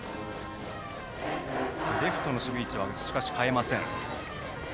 レフトの守備位置は変えません。